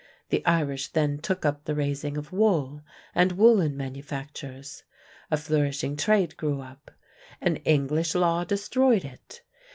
The Irish then took up the raising of wool and woolen manufactures. A flourishing trade grew up. An English law destroyed it.